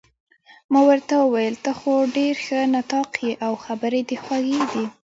ما ورته وویل: ته خو ډېر ښه نطاق يې، او خبرې دې خوږې دي.